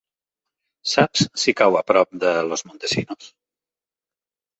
Saps si cau a prop de Los Montesinos?